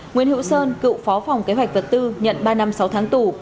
nguyễn hữu sơn cựu phó phòng kế hoạch vật tư nhận ba năm sáu tháng tù